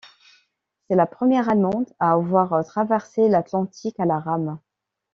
C'est la première allemande à avoir traversé l'Atlantique à la rame.